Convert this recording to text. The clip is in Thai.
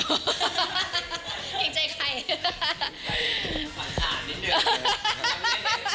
เกรงใจใคร